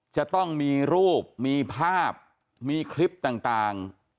จะต้องมีรูปมีภาพมีคลิปต่าง